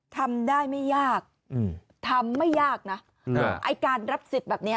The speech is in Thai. ทำได้ไม่ยากอืมทำไม่ยากนะไอ้การรับสิทธิ์แบบนี้